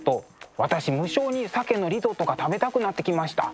私無性に鮭のリゾットが食べたくなってきました。